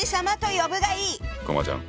こまちゃん。